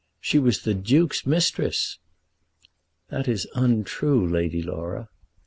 She was the Duke's mistress." "That is untrue, Lady Laura."